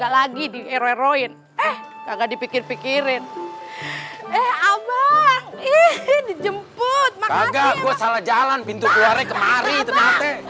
pipe pipe pipe mau kemana